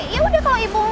yaudah kalau ibu